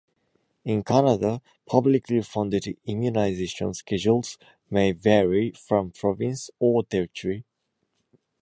In Canada, publicly-funded immunization schedules may vary from province or territory.